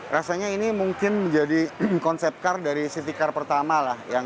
rasanya ini mungkin menjadi konsep car dari city car pertama lah